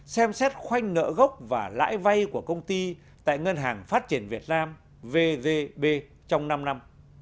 xem xét khoanh nợ gốc và lãi vay của công ty tại ngân hàng phát triển việt nam vgb trong năm năm